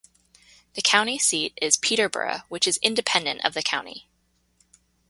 The county seat is Peterborough, which is independent of the county.